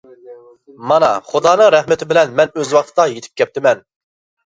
مانا، خۇدانىڭ رەھمىتى بىلەن مەن ئۆز ۋاقتىدا يېتىپ كەپتىمەن!